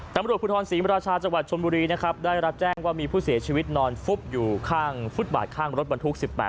ตำรวจภูทรศรีมราชาจังหวัดชนบุรีนะครับได้รับแจ้งว่ามีผู้เสียชีวิตนอนฟุบอยู่ข้างฟุตบาทข้างรถบรรทุก๑๘